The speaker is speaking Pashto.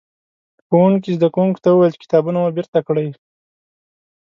ښوونکي؛ زدکوونکو ته وويل چې کتابونه مو بېرته کړئ.